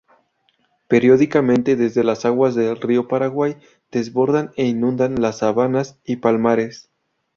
Periódicamente desde las aguas del río Paraguay desbordan e inundan las sabanas y palmares.